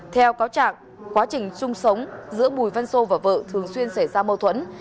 theo cáo trạng quá trình chung sống giữa bùi văn sô và vợ thường xuyên xảy ra mâu thuẫn